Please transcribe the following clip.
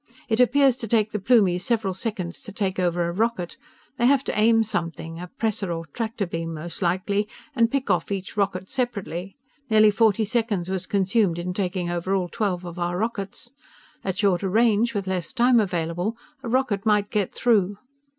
It appears to take the Plumies several seconds to take over a rocket. They have to aim something a pressor or tractor beam, most likely and pick off each rocket separately. Nearly forty seconds was consumed in taking over all twelve of our rockets. At shorter range, with less time available, a rocket might get through!"